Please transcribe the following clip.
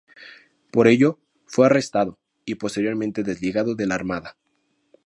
Por ello fue arrestado y posteriormente desligado de la armada.